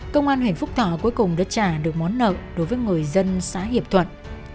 công an huyện phúc thọ cuối cùng đã trả được món nợ đối với người dân xã hiệp thuận